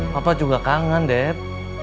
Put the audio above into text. papa juga kangen deb